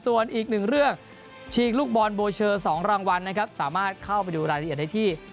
ส่วนอีกหนึ่งเรื่องฉีกลูกบอลโบเชอร์๒รางวัลนะครับสามารถเข้าไปดูรายละเอียดได้ที่